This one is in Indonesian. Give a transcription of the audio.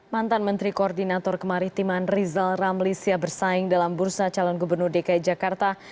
mantan menteri koordinator kemaritiman rizal ramli siap bersaing dalam bursa calon gubernur dki jakarta